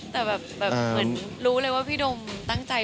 แต่แบบรู้เลยว่าพี่โดมตั้งใจ